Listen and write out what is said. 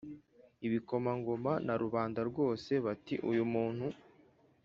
ibikomangoma na rubanda rwose bati Uyu muntu